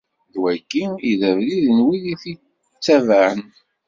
D wagi i d abrid n wid i ten-ittabaɛen.